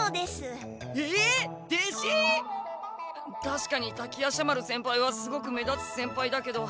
たしかに滝夜叉丸先輩はすごく目立つ先輩だけど。